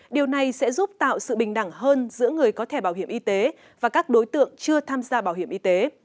điều này sẽ giúp tạo sự bình đẳng hơn giữa người có thẻ bảo hiểm y tế và các đối tượng chưa tham gia bảo hiểm y tế